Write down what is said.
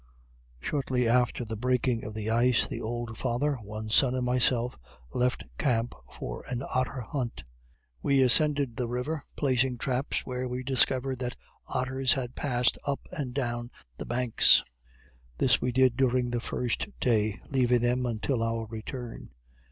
Shortly after the breaking of the ice, the old father, one son, and myself, left camp for an otter hunt. We ascended the river, placing traps where we discovered that otters had passed up and down the banks. This we did during the first day, leaving them until our return.